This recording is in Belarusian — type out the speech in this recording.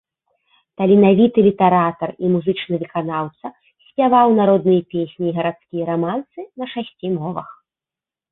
Таленавіты літаратар і музычны выканаўца, спяваў народныя песні і гарадскія рамансы на шасці мовах.